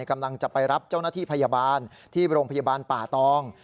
กำลังจะไปรับเจ้าหน้าที่พยาบาลที่โรงพยาบาลป่าตอง